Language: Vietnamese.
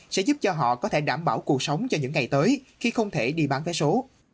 sẽ giúp cho họ có thể đảm bảo cuộc sống cho những ngày tới khi không thể đi bán vé số